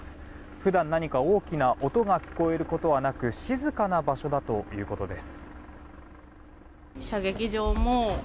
普段、何か大きな音が聞こえることはなく静かな場所だということです。